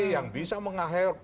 yang bisa mengahir